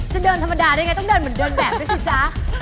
จะเดินธรรมดาได้ไงต้องเดินเหมือนเดินแบบด้วยสิจ๊ะ